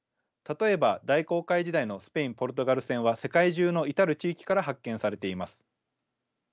例えば大航海時代のスペイン・ポルトガル船は世界中の至る地域から発見されています。